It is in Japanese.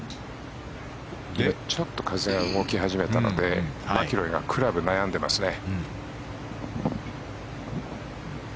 ちょっと風が動き始めたのでマキロイがクラブ悩んでますね。